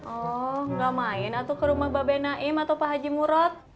oh gak main atu ke rumah bapak naim atau pak haji murad